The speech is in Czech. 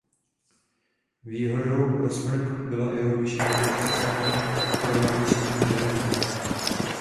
Výhodou pro smrk byla i jeho vyšší produkce semen v porovnání s jinými dřevinami.